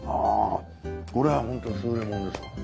これはホント優れものですよ。